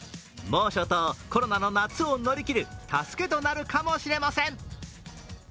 猛暑とコロナの夏を乗り切る助けとなるかもしれません。